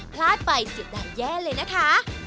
พลาดไปสิ้นได้แย่เลยนะคะ